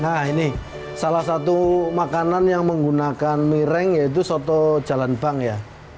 nah ini salah satu makanan yang menggunakan miring yaitu soto jalan bank ya